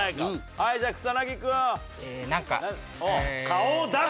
はいじゃあ草薙君。